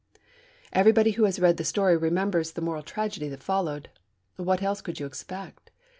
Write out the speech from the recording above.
Everybody who has read the story remembers the moral tragedy that followed. What else could you expect?